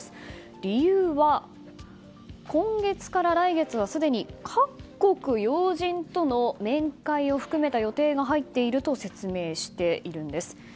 理由は、今月から来月はすでに各国要人との面会を含めた予定が入っていると説明しているんです。